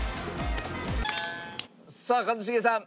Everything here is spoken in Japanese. さあ一茂さん。